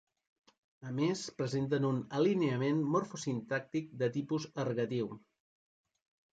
A més presenten un alineament morfosintàctic de tipus ergatiu.